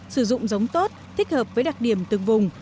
sử dụng giống tốt thích hợp với đặc điểm từng vùng